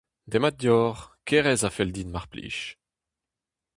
Demat deoc'h, kerez a fell din mar plij.